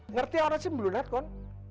ngerti orang sih belunat kan